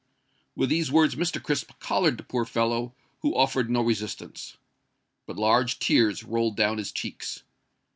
With these words Mr. Crisp collared the poor fellow, who offered no resistance. But large tears rolled down his cheeks!